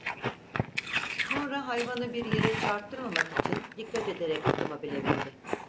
Sonra hayvanı bir yere çarptırmamak için dikkat ederek otomobile bindi.